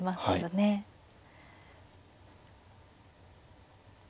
そうなんですね。